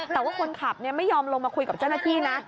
แต่ว่าคนขับไม่ยอมลงมาคุยกับเจ้าหน้าที่นะ